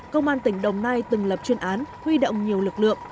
công an tỉnh đồng nai từng lập chuyên án huy động nhiều lực lượng